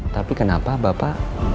tapi kenapa bapak